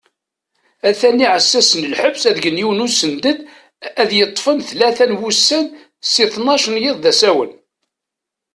Atan iεessasen n lḥebs ad gen yiwen usunded ad yeṭṭfen tlata n wussan si ttnac n yiḍ d asawen.